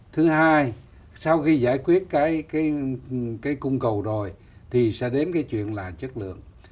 thứ hai sau khi giải quyết cái cung cầu rồi thì sẽ đến cái chuyện là chất lượng